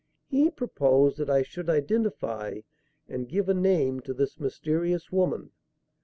He proposed that I should identify and give a name to this mysterious woman.